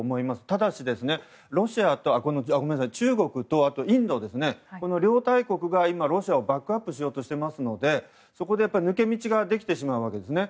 ただし、中国とインドですねこの両大国が、今ロシアをバックアップしようとしていますのでそこで抜け道ができてしまうわけですね。